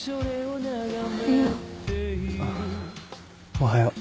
おはよう。